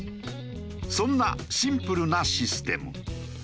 そんなシンプルなシステム。